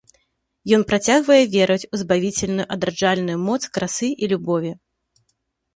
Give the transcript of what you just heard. Ён працягвае верыць у збавіцельную адраджальную моц красы і любові.